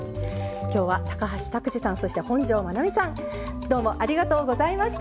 きょうは橋拓児さんそして本上まなみさんどうもありがとうございました。